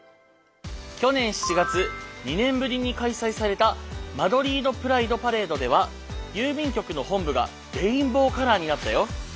去年７月２年ぶりに開催されたマドリード・プライド・パレードでは郵便局の本部がレインボーカラーになったよ。